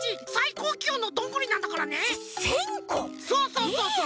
そうそうそうそう。